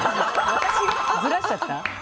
私がずらしちゃった？